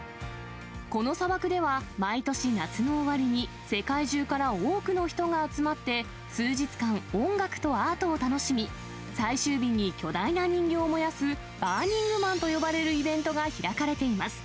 この砂漠では、毎年夏の終わりに、世界中から多くの人が集まって、数日間、音楽とアートを楽しみ、最終日に巨大な人形を燃やすバーニングマンと呼ばれるイベントが開かれています。